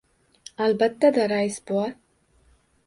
— Albatta-da, rais bova.